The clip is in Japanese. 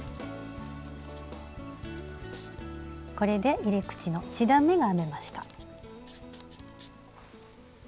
これで入れ口の１段めが編めました。